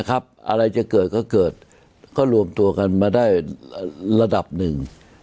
อะไรจะเกิดก็เกิดก็รวมตัวกันมาได้ระดับหนึ่ง